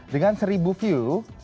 dengan seribu view